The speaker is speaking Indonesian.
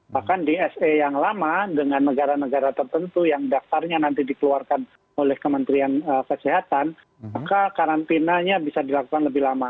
bahkan di se yang lama dengan negara negara tertentu yang daftarnya nanti dikeluarkan oleh kementerian kesehatan maka karantinanya bisa dilakukan lebih lama